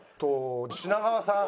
品川さん。